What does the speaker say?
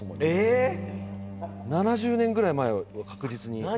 「７０年ぐらい前確実に」